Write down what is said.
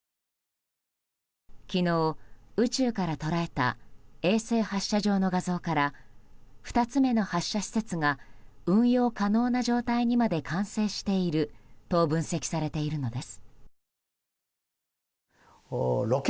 昨日、宇宙から捉えた衛星発射場の画像から２つ目の発射施設が運用可能な状態にまで完成していると分析されているのです。